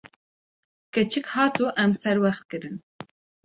Keçik hat û em serwext kirin.